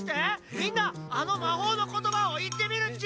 みんなあのまほうのことばをいってみるっち！